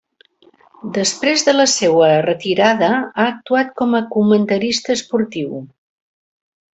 Després de la seua retirada ha actuat com a comentarista esportiu.